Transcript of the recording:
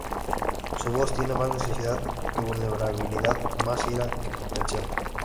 Su voz tiene más necesidad que vulnerabilidad, más ira que comprensión".